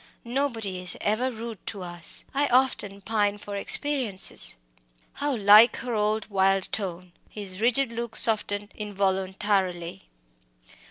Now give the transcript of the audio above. "Nobody is ever rude to us I often pine for experiences!" How like her old, wild tone! His rigid look softened involuntarily.